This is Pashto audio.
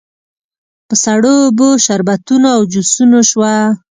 په سړو اوبو، شربتونو او جوسونو شوه.